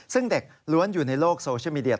ซึ่งเด็กล้วนอยู่ในโลกโซเชียลมีเดีย